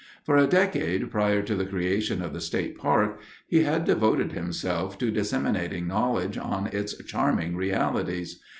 For a decade prior to the creation of the state park, he had devoted himself to disseminating knowledge on its "charming realities."